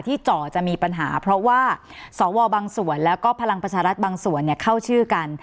จ่อจะมีปัญหาเพราะว่าสวบางส่วนแล้วก็พลังประชารัฐบางส่วนเข้าชื่อกัน